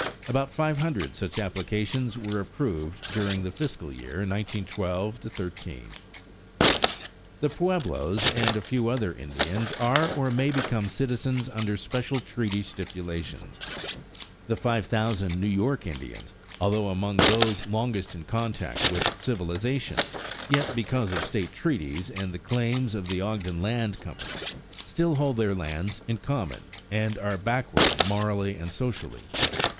About five hundred such applications were approved during the fiscal year 1912 13. The Pueblos and a few other Indians are or may become citizens under special treaty stipulations. The 5,000 New York Indians, although among those longest in contact with civilization, yet because of state treaties and the claims of the Ogden Land Company, still hold their lands in common, and are backward morally and socially.